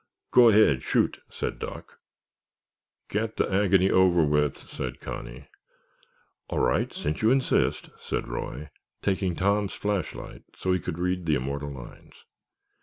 "Go ahead, shoot!" said Doc. "Get the agony over with," said Connie. "All right, since you insist," said Roy, taking Tom's flashlight so he could read the immortal lines.